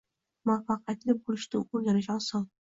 Muvaffaqiyatli bo’lishni o’rganish oson.